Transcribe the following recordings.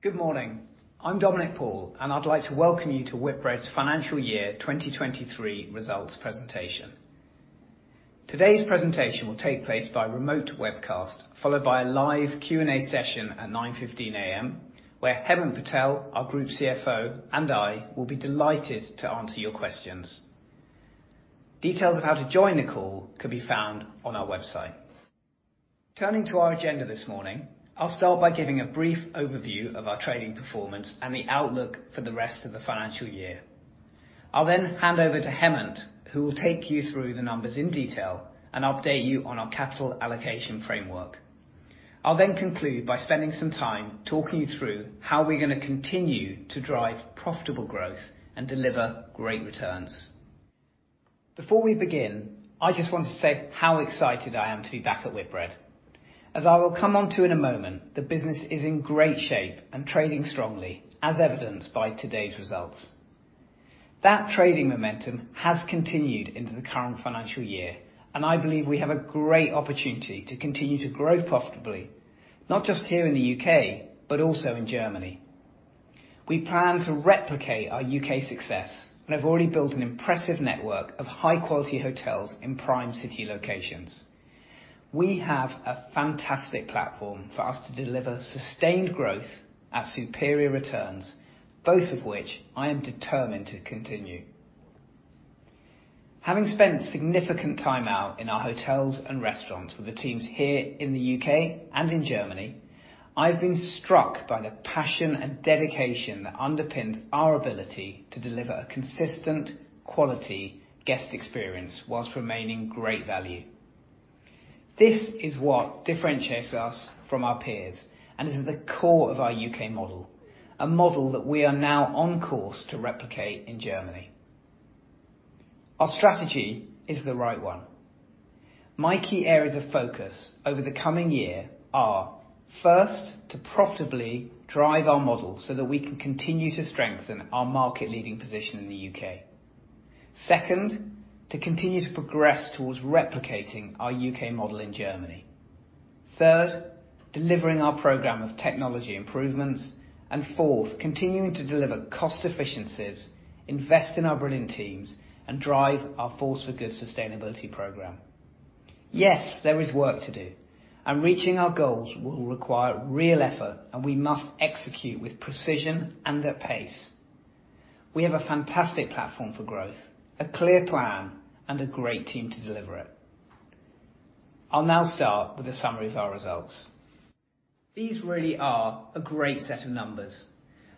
Good morning. I'm Dominic Paul. I'd like to welcome you to Whitbread's Financial Year 2023 results presentation. Today's presentation will take place by remote webcast, followed by a live Q&A session at 9:15 A.M., where Hemant Patel, our Group CFO, and I will be delighted to answer your questions. Details of how to join the call can be found on our website. Turning to our agenda this morning, I'll start by giving a brief overview of our trading performance and the outlook for the rest of the financial year. I'll hand over to Hemant, who will take you through the numbers in detail and update you on our capital allocation framework. I'll conclude by spending some time talking you through how we're gonna continue to drive profitable growth and deliver great returns. Before we begin, I just want to say how excited I am to be back at Whitbread. As I will come onto in a moment, the business is in great shape and trading strongly, as evidenced by today's results. That trading momentum has continued into the current financial year, and I believe we have a great opportunity to continue to grow profitably, not just here in the UK, but also in Germany. We plan to replicate our UK success and have already built an impressive network of high-quality hotels in prime city locations. We have a fantastic platform for us to deliver sustained growth at superior returns, both of which I am determined to continue. Having spent significant time out in our hotels and restaurants with the teams here in the UK and in Germany, I've been struck by the passion and dedication that underpins our ability to deliver a consistent quality guest experience while remaining great value. This is what differentiates us from our peers, and is at the core of our UK model, a model that we are now on course to replicate in Germany. Our strategy is the right one. My key areas of focus over the coming year are, first, to profitably drive our model so that we can continue to strengthen our market-leading position in the UK. Second, to continue to progress towards replicating our UK model in Germany. Third, delivering our program of technology improvements. Fourth, continuing to deliver cost efficiencies, invest in our brilliant teams, and drive our Force for Good sustainability program. Yes, there is work to do. Reaching our goals will require real effort. We must execute with precision and at pace. We have a fantastic platform for growth, a clear plan, and a great team to deliver it. I'll now start with a summary of our results. These really are a great set of numbers.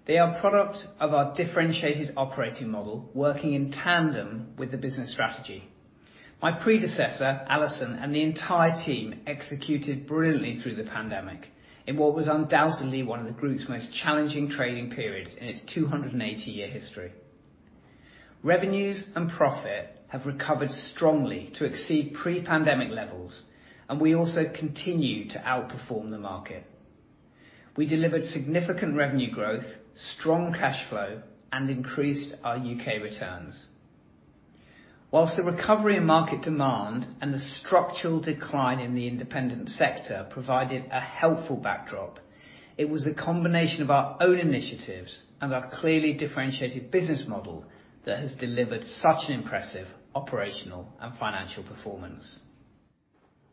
They are a product of our differentiated operating model, working in tandem with the business strategy. My predecessor, Alison, and the entire team executed brilliantly. through the pandemic in what was undoubtedly one of the group's most challenging trading periods in its 280-year history. Revenues and profit have recovered strongly to exceed pre-pandemic levels. We also continue to outperform the market. We delivered significant revenue growth, strong cash flow, and increased our UK returns. Whilst the recovery and market demand and the structural decline in the independent sector provided a helpful backdrop, it was a combination of our own initiatives and our clearly differentiated business model that has delivered such an impressive operational and financial performance.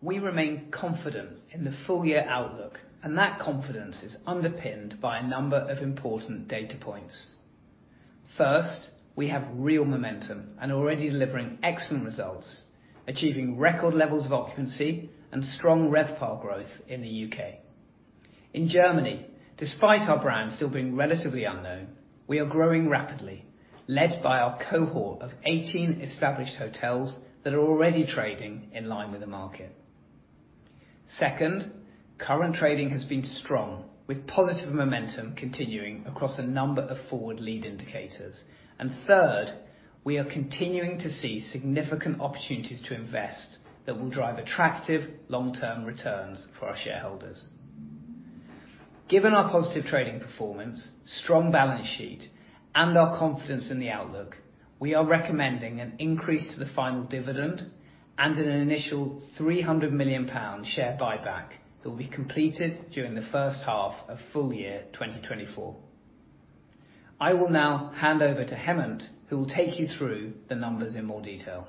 We remain confident in the full year outlook, that confidence is underpinned by a number of important data points. First, we have real momentum and are already delivering excellent results, achieving record levels of occupancy and strong RevPAR growth in the UK. In Germany, despite our brand still being relatively unknown, we are growing rapidly, led by our cohort of 18 established hotels that are already trading in line with the market. Second, current trading has been strong with positive momentum continuing across a number of forward lead indicators. Third, we are continuing to see significant opportunities to invest that will drive attractive long-term returns for our shareholders. Given our positive trading performance, strong balance sheet, and our confidence in the outlook, we are recommending an increase to the final dividend and an initial 300 million pound share buyback that will be completed during the first half of full year 2024. I will now hand over to Hemant, who will take you through the numbers in more detail.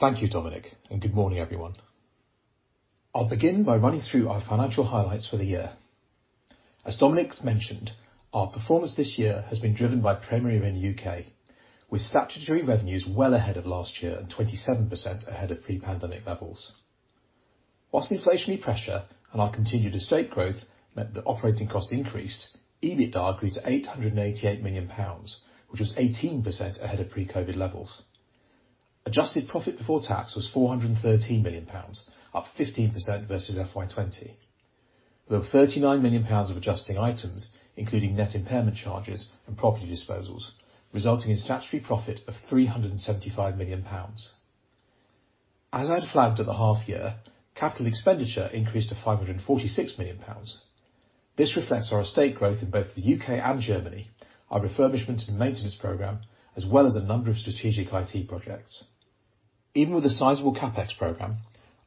Thank you, Dominic. Good morning, everyone. I'll begin by running through our financial highlights for the year. As Dominic's mentioned, our performance this year has been driven by primary revenue U.K., with statutory revenues well ahead of last year and 27% ahead of pre-pandemic levels. Whilst inflationary pressure and our continued estate growth meant that operating costs increased, EBITDA grew to 888 million pounds, which was 18% ahead of pre-COVID levels. Adjusted profit before tax was 413 million pounds, up 15% versus FY20. There were 39 million pounds of adjusting items, including net impairment charges and property disposals, resulting in statutory profit of 375 million pounds. As I'd flagged at the half year, capital expenditure increased to 546 million pounds. This reflects our estate growth in both the UK and Germany, our refurbishment and maintenance program, as well as a number of strategic IT projects. Even with a sizable CapEx program,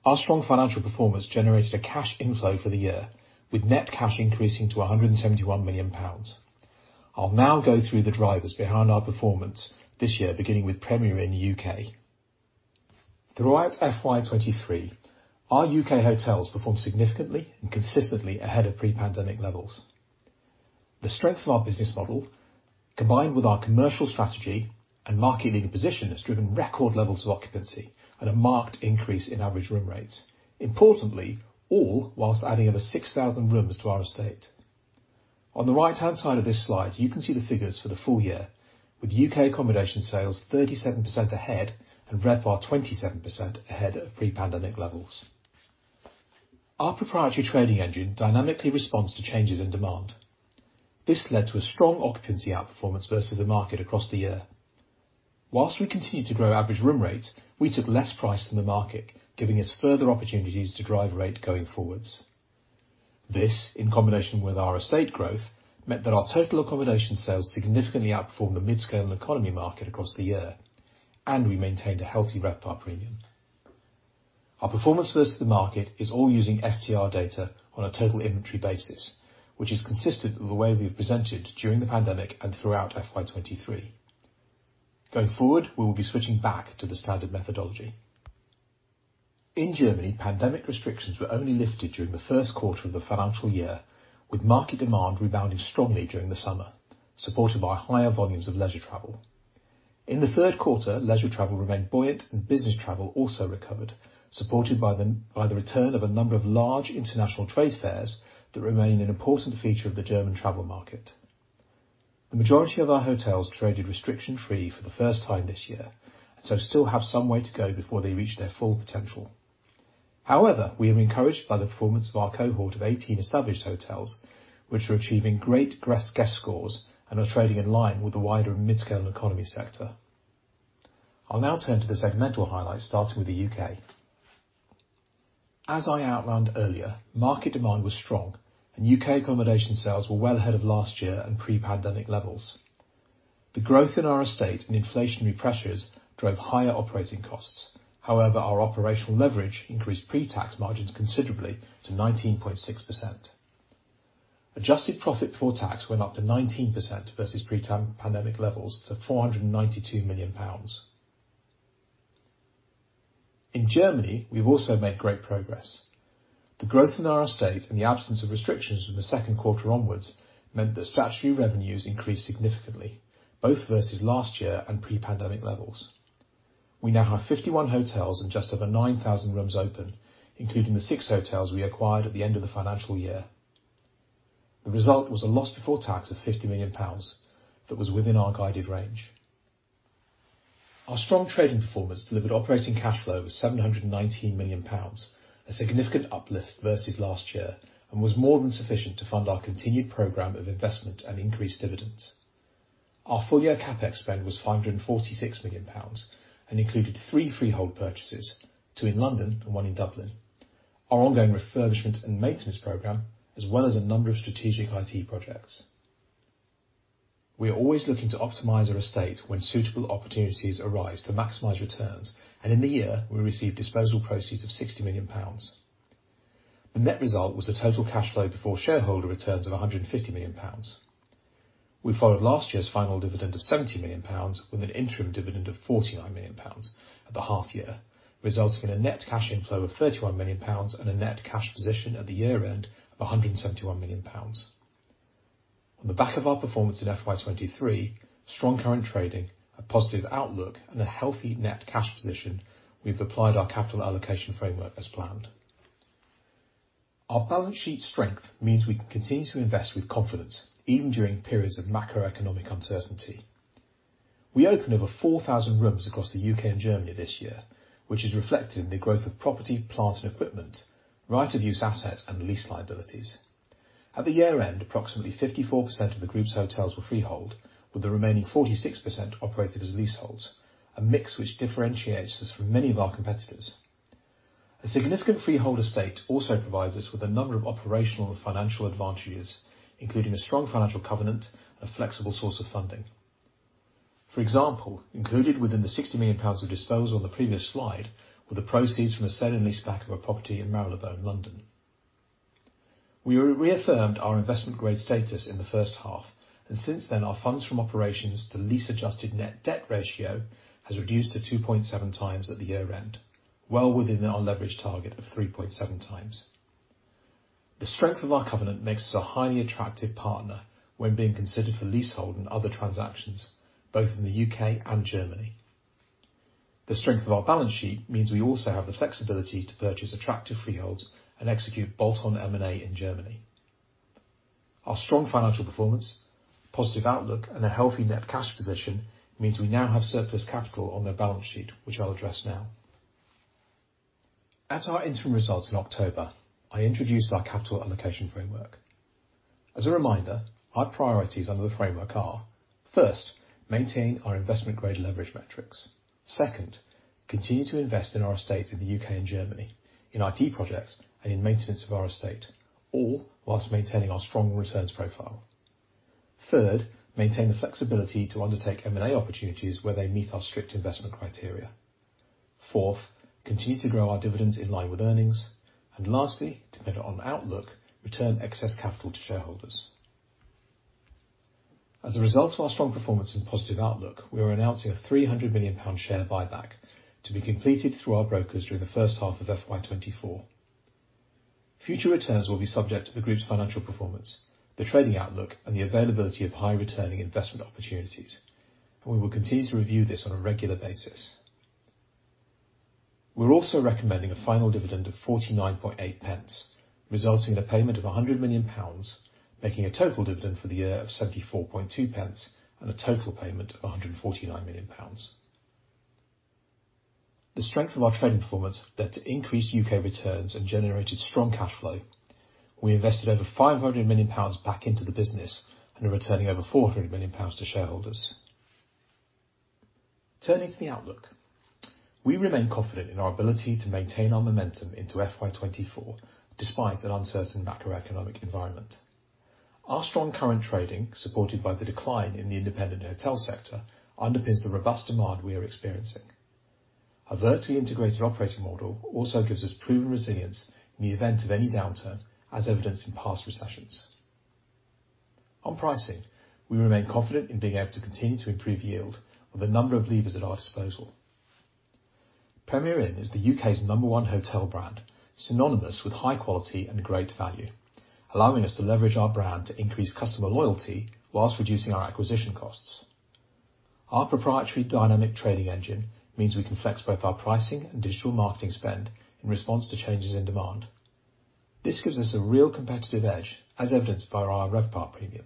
our strong financial performance generated a cash inflow for the year, with net cash increasing to 171 million pounds. I'll now go through the drivers behind our performance this year, beginning with Premier Inn UK. Throughout FY23, our UK hotels performed significantly and consistently ahead of pre-pandemic levels. The strength of our business model, combined with our commercial strategy and market-leading position, has driven record levels of occupancy and a marked increase in average room rates. Importantly, all whilst adding over 6,000 rooms to our estate. On the right-hand side of this slide, you can see the figures for the full year, with UK accommodation sales 37% ahead and RevPAR 27% ahead of pre-pandemic levels. Our proprietary trading engine dynamically responds to changes in demand. This led to a strong occupancy outperformance versus the market across the year. Whilst we continued to grow average room rates, we took less price than the market, giving us further opportunities to drive rate going forwards. This, in combination with our estate growth, meant that our total accommodation sales significantly outperformed the mid-scale and economy market across the year, and we maintained a healthy RevPAR premium. Our performance versus the market is all using STR data on a total inventory basis, which is consistent with the way we've presented during the pandemic and throughout FY23. Going forward, we will be switching back to the standard methodology. In Germany, pandemic restrictions were only lifted during the first quarter of the financial year, with market demand rebounding strongly during the summer, supported by higher volumes of leisure travel. In the third quarter, leisure travel remained buoyant and business travel also recovered, supported by the return of a number of large international trade fairs that remain an important feature of the German travel market. The majority of our hotels traded restriction-free for the first time this year, so still have some way to go before they reach their full potential. However, we are encouraged by the performance of our cohort of 18 established hotels, which are achieving great guest scores and are trading in line with the wider mid-scale and economy sector. I'll now turn to the segmental highlights, starting with the UK. As I outlined earlier, market demand was strong and UK accommodation sales were well ahead of last year and pre-pandemic levels. The growth in our estate and inflationary pressures drove higher operating costs. Our operational leverage increased pre-tax margins considerably to 19.6%. Adjusted profit before tax went up to 19% versus pre-pandemic levels to 492 million pounds. In Germany, we've also made great progress. The growth in our estate and the absence of restrictions from the second quarter onwards meant that statutory revenues increased significantly, both versus last year and pre-pandemic levels. We now have 51 hotels and just over 9,000 rooms open, including the 6 hotels we acquired at the end of the financial year. The result was a loss before tax of 50 million pounds that was within our guided range. Our strong trading performance delivered operating cash flow of 719 million pounds, a significant uplift versus last year, and was more than sufficient to fund our continued program of investment and increased dividends. Our full-year CapEx spend was 546 million pounds and included three freehold purchases, two in London and one in Dublin, our ongoing refurbishment and maintenance program, as well as a number of strategic IT projects. We are always looking to optimize our estate when suitable opportunities arise to maximize returns. In the year, we received disposal proceeds of 60 million pounds. The net result was a total cash flow before shareholder returns of 150 million pounds. We followed last year's final dividend of 70 million pounds with an interim dividend of 49 million pounds at the half year, resulting in a net cash inflow of 31 million pounds and a net cash position at the year-end of 171 million pounds. On the back of our performance in FY23, strong current trading, a positive outlook, and a healthy net cash position, we've applied our capital allocation framework as planned. Our balance sheet strength means we can continue to invest with confidence, even during periods of macroeconomic uncertainty. We opened over 4,000 rooms across the UK and Germany this year, which is reflected in the growth of property, plant, and equipment, right-of-use assets, and lease liabilities. At the year-end, approximately 54% of the group's hotels were freehold, with the remaining 46% operated as leaseholds, a mix which differentiates us from many of our competitors. A significant freehold estate also provides us with a number of operational and financial advantages, including a strong financial covenant and a flexible source of funding. For example, included within the 60 million pounds of disposal on the previous slide were the proceeds from the sale and leaseback of a property in Marylebone, London. We reaffirmed our investment-grade status in the first half. Since then, our Funds from Operations to Lease-Adjusted Net Debt Ratio has reduced to 2.7 times at the year-end, well within our leverage target of 3.7 times. The strength of our covenant makes us a highly attractive partner when being considered for leasehold and other transactions, both in the UK and Germany. The strength of our balance sheet means we also have the flexibility to purchase attractive freeholds and execute bolt-on M&A in Germany. Our strong financial performance, positive outlook, a healthy net cash position means we now have surplus capital on the balance sheet, which I'll address now. At our interim results in October, I introduced our capital allocation framework. As a reminder, our priorities under the framework are, first, maintain our investment-grade leverage metrics. Second, continue to invest in our estates in the UK and Germany, in IT projects, and in maintenance of our estate, all while maintaining our strong returns profile. Third, maintain the flexibility to undertake M&A opportunities where they meet our strict investment criteria. Fourth, continue to grow our dividends in line with earnings. Lastly, dependent on outlook, return excess capital to shareholders. As a result of our strong performance and positive outlook, we are announcing a 300 million pound share buyback to be completed through our brokers during the first half of FY24. Future returns will be subject to the group's financial performance, the trading outlook, and the availability of high returning investment opportunities, and we will continue to review this on a regular basis. We're also recommending a final dividend of 49.8 pence, resulting in a payment of 100 million pounds, making a total dividend for the year of 74.2 pence and a total payment of 149 million pounds. The strength of our trading performance led to increased UK returns and generated strong cash flow. We invested over 500 million pounds back into the business and are returning over 400 million pounds to shareholders. Turning to the outlook. We remain confident in our ability to maintain our momentum into FY24, despite an uncertain macroeconomic environment. Our strong current trading, supported by the decline in the independent hotel sector, underpins the robust demand we are experiencing. Our vertically integrated operating model also gives us proven resilience in the event of any downturn, as evidenced in past recessions. On pricing, we remain confident in being able to continue to improve yield with a number of levers at our disposal. Premier Inn is the U.K.'s number one hotel brand, synonymous with high quality and great value, allowing us to leverage our brand to increase customer loyalty while reducing our acquisition costs. Our proprietary dynamic trading engine means we can flex both our pricing and digital marketing spend in response to changes in demand. This gives us a real competitive edge, as evidenced by our RevPAR premium.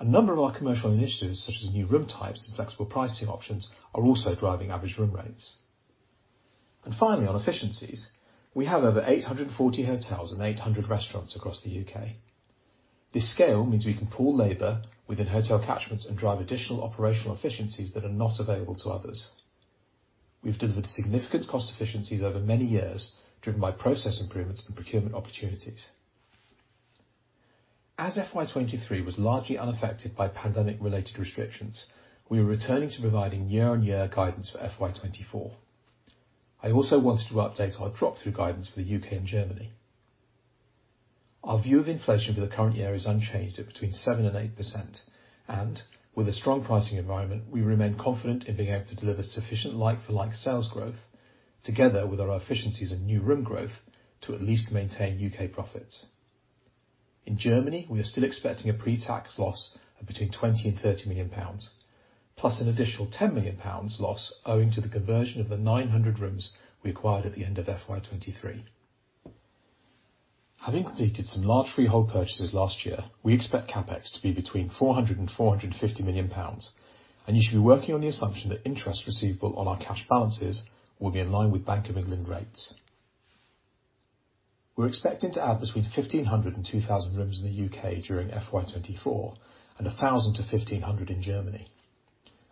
A number of our commercial initiatives, such as new room types and flexible pricing options, are also driving average room rates. Finally, on efficiencies, we have over 840 hotels and 800 restaurants across the UK. This scale means we can pool labor within hotel catchments and drive additional operational efficiencies that are not available to others. We've delivered significant cost efficiencies over many years, driven by process improvements and procurement opportunities. As FY23 was largely unaffected by pandemic related restrictions, we are returning to providing year-on-year guidance for FY24. I also wanted to update our drop-through guidance for the UK and Germany. Our view of inflation for the current year is unchanged at between 7% and 8%. With a strong pricing environment, we remain confident in being able to deliver sufficient like-for-like sales growth together with our efficiencies and new room growth to at least maintain UK profits. In Germany, we are still expecting a pre-tax loss of between 20 million and 30 million pounds, plus an additional 10 million pounds loss owing to the conversion of the 900 rooms we acquired at the end of FY23. Having completed some large freehold purchases last year, we expect CapEx to be between 400 million pounds and GBP 450 million, you should be working on the assumption that interest receivable on our cash balances will be in line with Bank of England rates. We're expecting to add between 1,500 and 2,000 rooms in the UK during FY24 and 1,000 to 1,500 in Germany.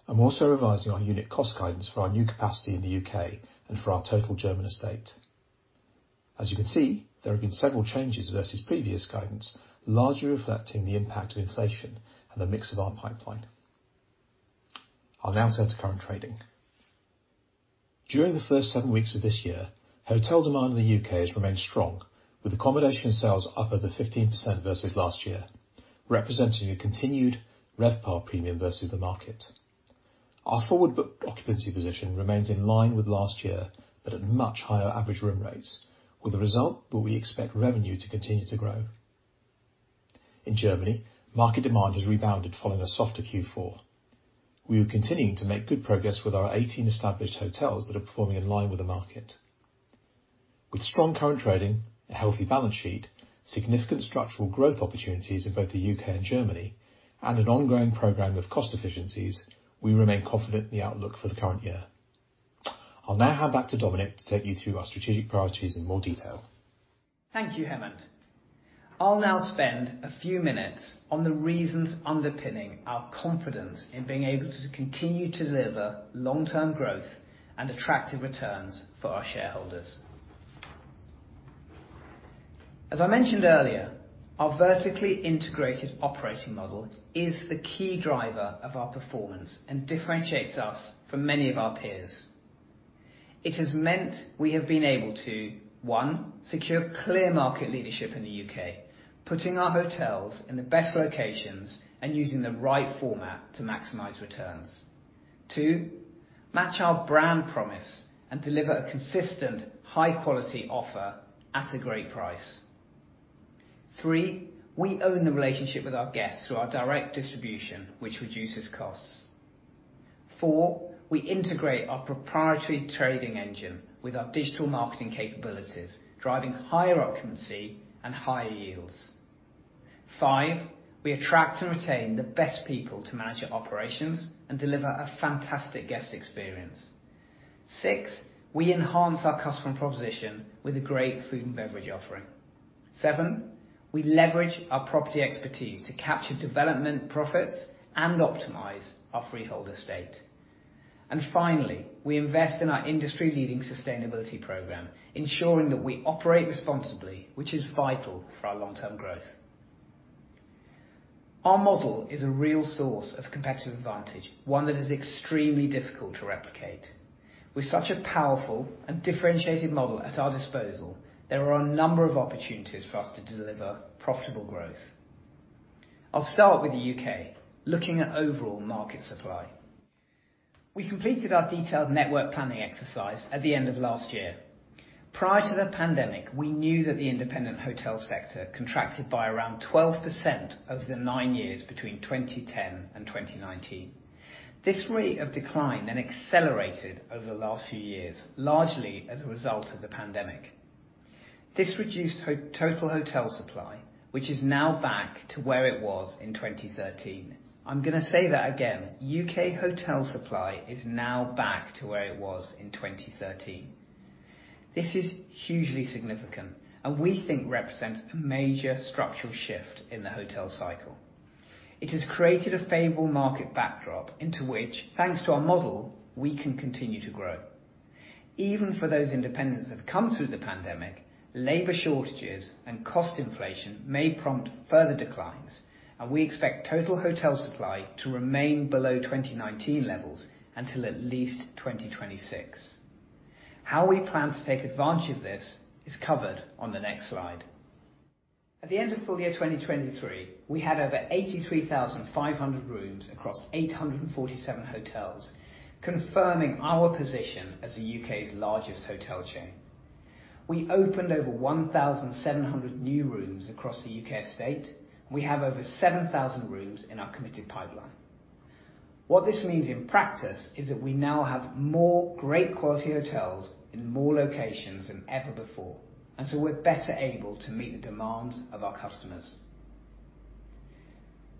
I'm also revising our unit cost guidance for our new capacity in the UK and for our total German estate. As you can see, there have been several changes versus previous guidance, largely reflecting the impact of inflation and the mix of our pipeline. I'll now turn to current trading. During the first 7 weeks of this year, hotel demand in the UK has remained strong with accommodation sales up over 15% versus last year, representing a continued RevPAR premium versus the market. Our forward booked occupancy position remains in line with last year, but at much higher average room rates with a result that we expect revenue to continue to grow. In Germany, market demand has rebounded following a softer Q4. We are continuing to make good progress with our 18 established hotels that are performing in line with the market. With strong current trading, a healthy balance sheet, significant structural growth opportunities in both the UK and Germany, and an ongoing program of cost efficiencies, we remain confident in the outlook for the current year. I'll now hand back to Dominic to take you through our strategic priorities in more detail. Thank you, Hemant. I'll now spend a few minutes on the reasons underpinning our confidence in being able to continue to deliver long-term growth and attractive returns for our shareholders. As I mentioned earlier, our vertically integrated operating model is the key driver of our performance and differentiates us from many of our peers. It has meant we have been able to, one, secure clear market leadership in the UK, putting our hotels in the best locations and using the right format to maximize returns. Two, match our brand promise and deliver a consistent high quality offer at a great price. Three, we own the relationship with our guests through our direct distribution, which reduces costs. Four, we integrate our proprietary trading engine with our digital marketing capabilities, driving higher occupancy and higher yields. 5, we attract and retain the best people to manage our operations and deliver a fantastic guest experience. 6, we enhance our customer proposition with a great food and beverage offering. 7, we leverage our property expertise to capture development profits and optimize our freehold estate. Finally, we invest in our industry-leading sustainability program, ensuring that we operate responsibly, which is vital for our long-term growth. Our model is a real source of competitive advantage, one that is extremely difficult to replicate. With such a powerful and differentiated model at our disposal, there are a number of opportunities for us to deliver profitable growth. I'll start with the U.K., looking at overall market supply. We completed our detailed network planning exercise at the end of last year. Prior to the pandemic, we knew that the independent hotel sector contracted by around 12% over the 9 years between 2010 and 2019. This rate of decline accelerated over the last few years, largely as a result of the pandemic. This reduced total hotel supply, which is now back to where it was in 2013. I'll say that again: U.K. hotel supply is now back to where it was in 2013. This is hugely significant, and we think represents a major structural shift in the hotel cycle. It has created a favorable market backdrop into which, thanks to our model, we can continue to grow. Even for those independents that have come through the pandemic, labor shortages and cost inflation may prompt further declines, and we expect total hotel supply to remain below 2019 levels until at least 2026. How we plan to take advantage of this is covered on the next slide. At the end of full year FY23, we had over 83,500 rooms across 847 hotels, confirming our position as the U.K.'s largest hotel chain. We opened over 1,700 new rooms across the U.K. estate. We have over 7,000 rooms in our committed pipeline. What this means in practice is that we now have more great quality hotels in more locations than ever before, and so we're better able to meet the demands of our customers.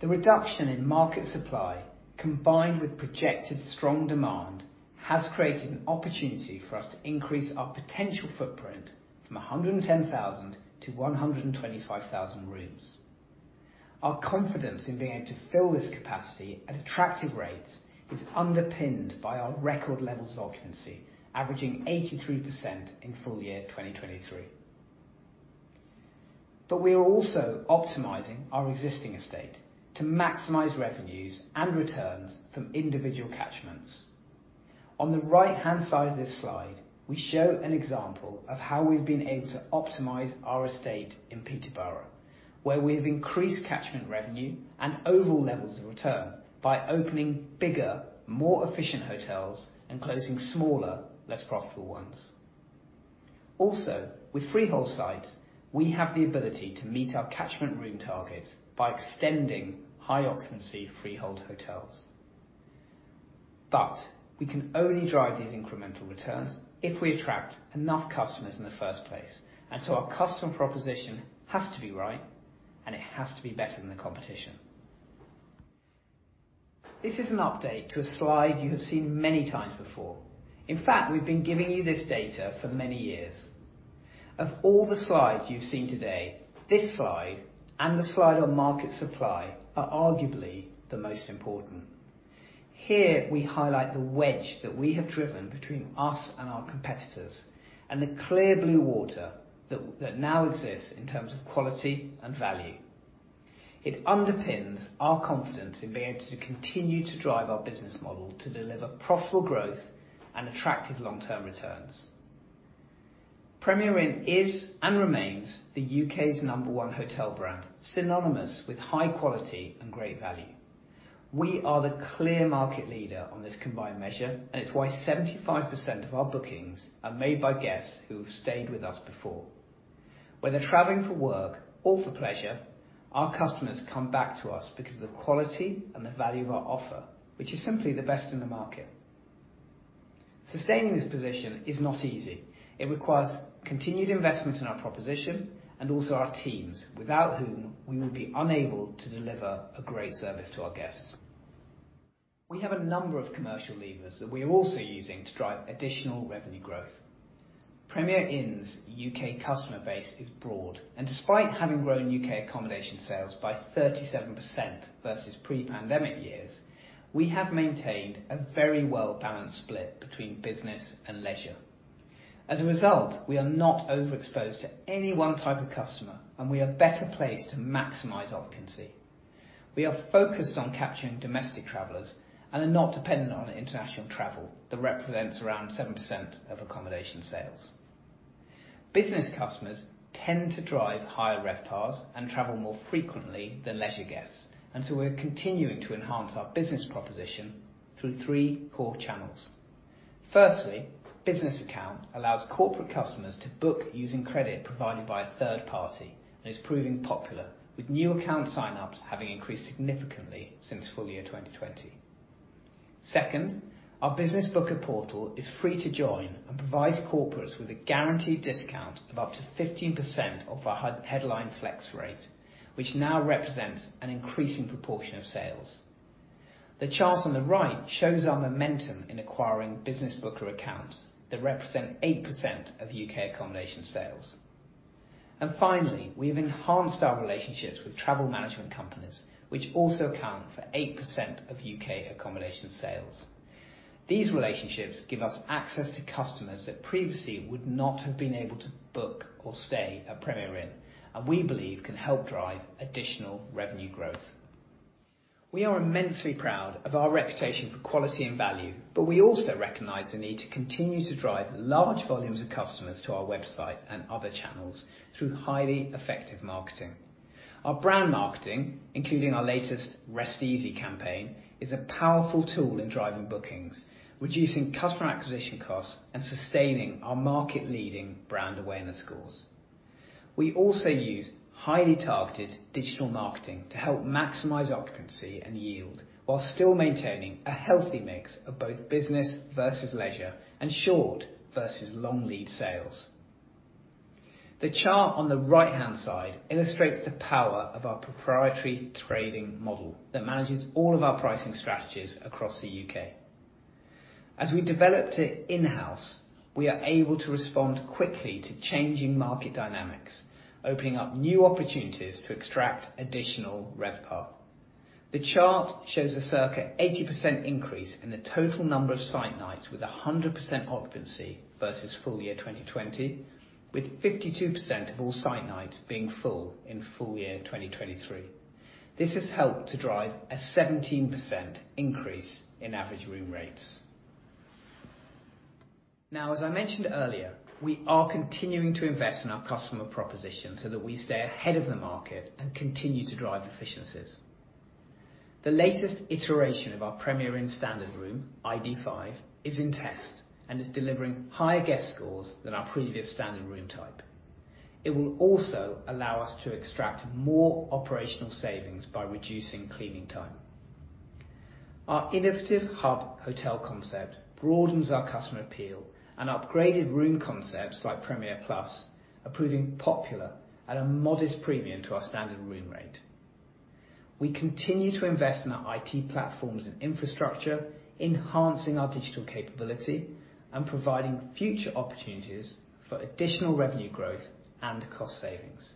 The reduction in market supply, combined with projected strong demand, has created an opportunity for us to increase our potential footprint from 110,000-125,000 rooms. Our confidence in being able to fill this capacity at attractive rates is underpinned by our record levels of occupancy, averaging 83% in full year 2023. We are also optimizing our existing estate to maximize revenues and returns from individual catchments. On the right-hand side of this slide, we show an example of how we've been able to optimize our estate in Peterborough, where we've increased catchment revenue and overall levels of return by opening bigger, more efficient hotels and closing smaller, less profitable ones. With freehold sites, we have the ability to meet our catchment room targets by extending high occupancy freehold hotels. We can only drive these incremental returns if we attract enough customers in the first place, and so our customer proposition has to be right and it has to be better than the competition. This is an update to a slide you have seen many times before. In fact, we've been giving you this data for many years. Of all the slides you've seen today, this slide and the slide on market supply are arguably the most important. Here, we highlight the wedge that we have driven between us and our competitors, and the clear blue water that now exists in terms of quality and value. It underpins our confidence in being able to continue to drive our business model to deliver profitable growth and attractive long-term returns. Premier Inn is and remains the U.K.'s number one hotel brand, synonymous with high quality and great value. We are the clear market leader on this combined measure, and it's why 75% of our bookings are made by guests who have stayed with us before. Whether traveling for work or for pleasure, our customers come back to us because of the quality and the value of our offer, which is simply the best in the market. Sustaining this position is not easy. It requires continued investment in our proposition and also our teams, without whom we would be unable to deliver a great service to our guests. We have a number of commercial levers that we are also using to drive additional revenue growth. Premier Inn's U.K. customer base is broad, and despite having grown U.K. accommodation sales by 37% versus pre-pandemic years, we have maintained a very well-balanced split between business and leisure. As a result, we are not overexposed to any one type of customer, and we are better placed to maximize occupancy. We are focused on capturing domestic travelers and are not dependent on international travel that represents around 7% of accommodation sales. Business customers tend to drive higher RevPARs and travel more frequently than leisure guests. We're continuing to enhance our business proposition through 3 core channels. Firstly, Business Account allows corporate customers to book using credit provided by a third party, and is proving popular with new account sign-ups having increased significantly since full year 2020. Second, our Business Booker portal is free to join and provides corporates with a guaranteed discount of up to 15% off our headline flex rate, which now represents an increasing proportion of sales. The chart on the right shows our momentum in acquiring Business Booker accounts that represent 8% of U.K. accommodation sales. Finally, we have enhanced our relationships with travel management companies, which also account for 8% of U.K. accommodation sales. These relationships give us access to customers that previously would not have been able to book or stay at Premier Inn, and we believe can help drive additional revenue growth. We are immensely proud of our reputation for quality and value, but we also recognize the need to continue to drive large volumes of customers to our website and other channels through highly effective marketing. Our brand marketing, including our latest Rest Easy campaign, is a powerful tool in driving bookings, reducing customer acquisition costs, and sustaining our market-leading brand awareness scores. We also use highly targeted digital marketing to help maximize occupancy and yield while still maintaining a healthy mix of both business versus leisure and short versus long lead sales. The chart on the right-hand side illustrates the power of our proprietary trading model that manages all of our pricing strategies across the U.K. As we developed it in-house, we are able to respond quickly to changing market dynamics, opening up new opportunities to extract additional RevPAR. The chart shows a circa 80% increase in the total number of site nights with 100% occupancy versus full year 2020, with 52% of all site nights being full in full year 2023. This has helped to drive a 17% increase in average room rates. As I mentioned earlier, we are continuing to invest in our customer proposition so that we stay ahead of the market and continue to drive efficiencies. The latest iteration of our Premier Inn standard room, ID5, is in test and is delivering higher guest scores than our previous standard room type. It will also allow us to extract more operational savings by reducing cleaning time. Our innovative Hub hotel concept broadens our customer appeal and upgraded room concepts like Premier Plus are proving popular at a modest premium to our standard room rate. We continue to invest in our I.T. platforms and infrastructure, enhancing our digital capability and providing future opportunities for additional revenue growth and cost savings.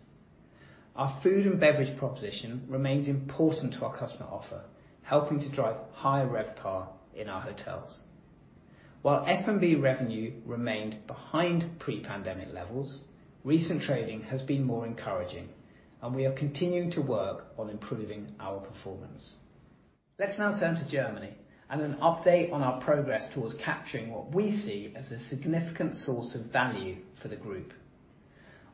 Our food and beverage proposition remains important to our customer offer, helping to drive higher RevPAR in our hotels. While F&B revenue remained behind pre-pandemic levels, recent trading has been more encouraging, and we are continuing to work on improving our performance. Let's now turn to Germany and an update on our progress towards capturing what we see as a significant source of value for the group.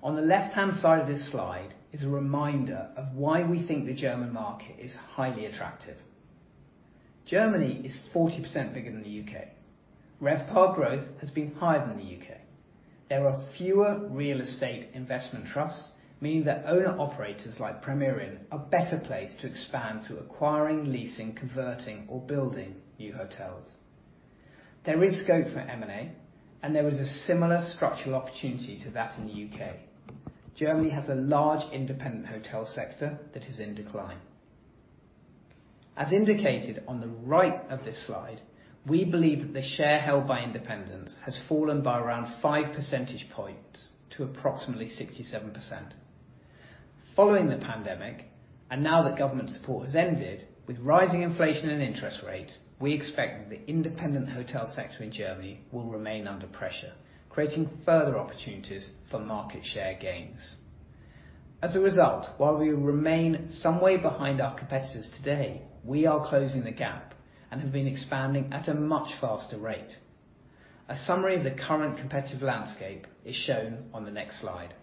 On the left-hand side of this slide is a reminder of why we think the German market is highly attractive. Germany is 40% bigger than the U.K. RevPAR growth has been higher than the U.K. There are fewer real estate investment trusts, meaning that owner-operators like Premier Inn are better placed to expand through acquiring, leasing, converting, or building new hotels. There is scope for M&A, and there is a similar structural opportunity to that in the U.K. Germany has a large independent hotel sector that is in decline. As indicated on the right of this slide, we believe that the share held by independents has fallen by around 5 percentage points to approximately 67%. Following the pandemic, now that government support has ended, with rising inflation and interest rates, we expect that the independent hotel sector in Germany will remain under pressure, creating further opportunities for market share gains. As a result, while we remain some way behind our competitors today, we are closing the gap and have been expanding at a much faster rate. A summary of the current competitive landscape is shown on the next slide.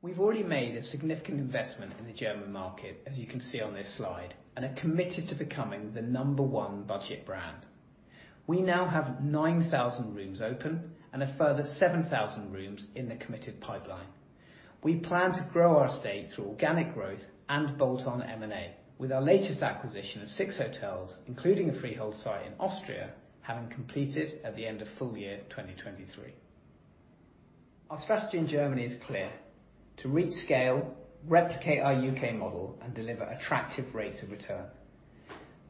We've already made a significant investment in the German market, as you can see on this slide, and are committed to becoming the number one budget brand. We now have 9,000 rooms open and a further 7,000 rooms in the committed pipeline. We plan to grow our estate through organic growth and bolt-on M&A with our latest acquisition of 6 hotels, including a freehold site in Austria, having completed at the end of full year 2023. Our strategy in Germany is clear: to reach scale, replicate our UK model, and deliver attractive rates of return.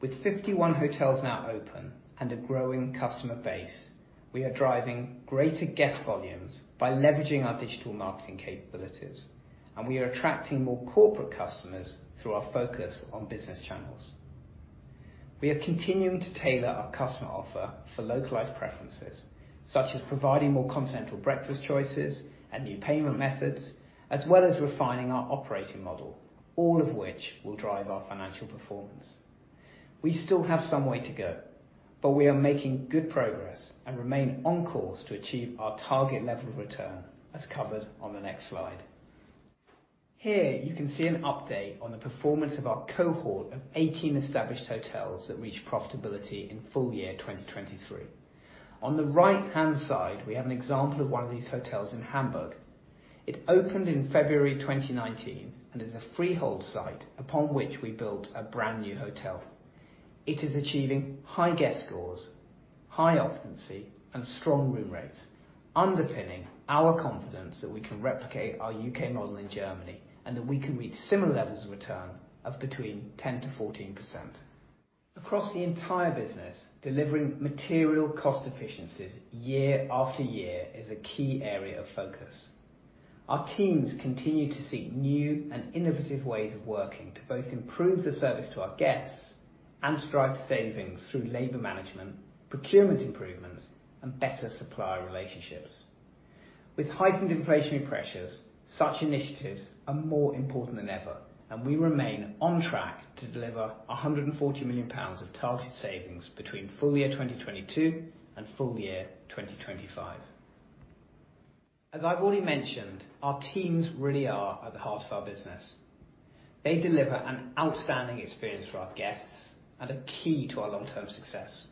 With 51 hotels now open and a growing customer base, we are driving greater guest volumes by leveraging our digital marketing capabilities, and we are attracting more corporate customers through our focus on business channels. We are continuing to tailor our customer offer for localized preferences, such as providing more continental breakfast choices and new payment methods, as well as refining our operating model, all of which will drive our financial performance. We still have some way to go, but we are making good progress and remain on course to achieve our target level of return, as covered on the next slide. Here you can see an update on the performance of our cohort of 18 established hotels that reach profitability in FY23. On the right-hand side, we have an example of one of these hotels in Hamburg. It opened in February 2019 and is a freehold site upon which we built a brand-new hotel. It is achieving high guest scores, high occupancy, and strong room rates, underpinning our confidence that we can replicate our UK model in Germany, and that we can reach similar levels of return of between 10%-14%. Across the entire business, delivering material cost efficiencies year after year is a key area of focus. Our teams continue to seek new and innovative ways of working to both improve the service to our guests and to drive savings through labor management, procurement improvements, and better supplier relationships. With heightened inflationary pressures, such initiatives are more important than ever. We remain on track to deliver 140 million pounds of targeted savings between FY22 and FY25. As I've already mentioned, our teams really are at the heart of our business. They deliver an outstanding experience for our guests and are key to our long-term success.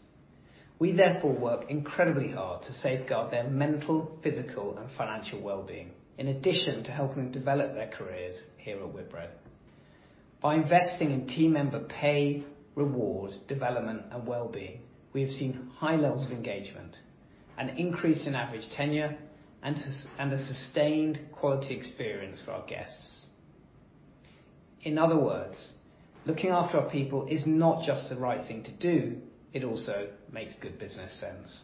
We therefore work incredibly hard to safeguard their mental, physical, and financial well-being, in addition to helping them develop their careers here at Whitbread. By investing in team member pay, reward, development, and well-being, we have seen high levels of engagement, an increase in average tenure, and a sustained quality experience for our guests. In other words, looking after our people is not just the right thing to do, it also makes good business sense.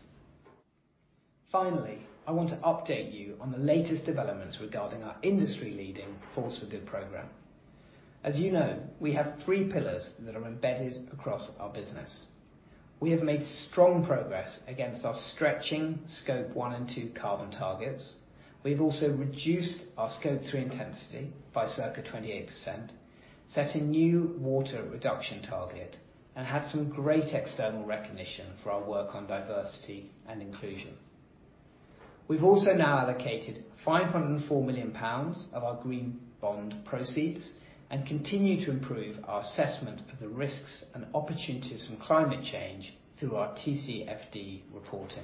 Finally, I want to update you on the latest developments regarding our industry-leading Force for Good program. As you know, we have three pillars that are embedded across our business. We have made strong progress against our stretching Scope 1 and 2 carbon targets. We've also reduced our Scope 3 intensity by circa 28%, set a new water reduction target, and had some great external recognition for our work on diversity and inclusion. We've also now allocated 504 million pounds of our green bond proceeds, and continue to improve our assessment of the risks and opportunities from climate change through our TCFD reporting.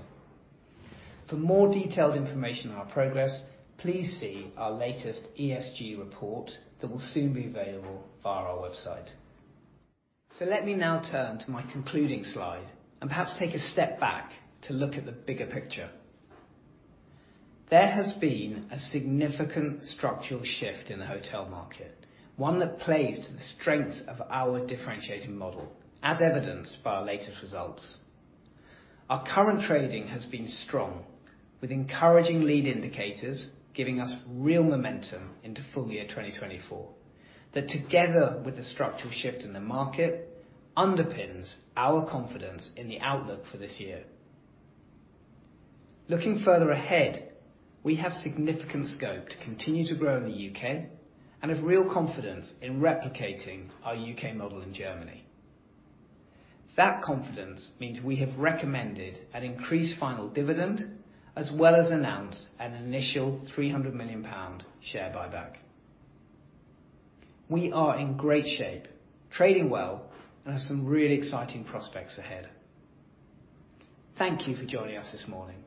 For more detailed information on our progress, please see our latest ESG report that will soon be available via our website. Let me now turn to my concluding slide and perhaps take a step back to look at the bigger picture. There has been a significant structural shift in the hotel market, one that plays to the strengths of our differentiating model, as evidenced by our latest results. Our current trading has been strong with encouraging lead indicators, giving us real momentum into full year 2024. That together with a structural shift in the market underpins our confidence in the outlook for this year. Looking further ahead, we have significant scope to continue to grow in the UK and have real confidence in replicating our UK model in Germany. That confidence means we have recommended an increased final dividend as well as announced an initial 300 million pound share buyback. We are in great shape, trading well, and have some really exciting prospects ahead. Thank you for joining us this morning.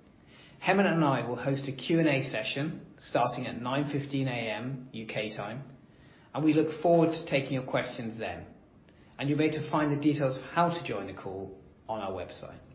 Hemant and I will host a Q&A session starting at 9:15 A.M. UK time, and we look forward to taking your questions then. You'll be able to find the details of how to join the call on our website.